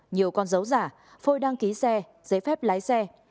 nhiều con dấu giả phôi đăng ký xe giấy phép lái xe